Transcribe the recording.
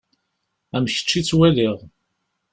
Am kečč i ttwaliɣ.